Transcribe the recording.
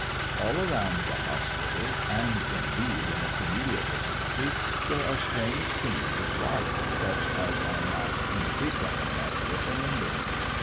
All round the hospital, and indeed in its immediate vicinity, there are strange scenes of life, such as are not unfrequently met with in England.